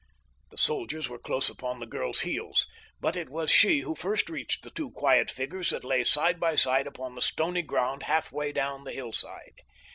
The soldiers were close upon the girl's heels, but it was she who first reached the two quiet figures that lay side by side upon the stony ground halfway down the hillside.